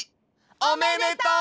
おめでとう！